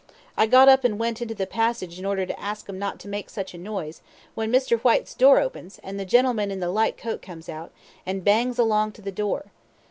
I got up and went into the passage in order to ask 'em not to make such a noise, when Mr. Whyte's door opens, an' the gentleman in the light coat comes out, and bangs along to the door.